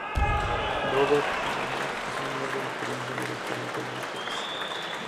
Roberto Alomar es un miembro Excelencia de los Toronto Blue Jays.